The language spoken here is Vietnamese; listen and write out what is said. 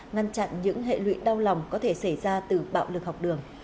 ngăn chặn những hệ lụy đau lòng có thể xảy ra từ bạo lực học đường